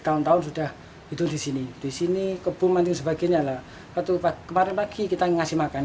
tahun tahun sudah itu disini disini kebun mending sebagainya lah satu kemarin pagi kita ngasih makan